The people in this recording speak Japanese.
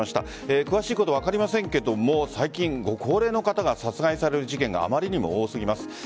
詳しいことは分かりませんが最近、ご高齢の方が殺害される事件があまりにも多すぎます。